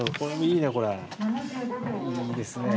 いいですねぇ。